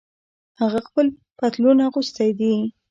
هغه خپل پتلون اغوستۍ دي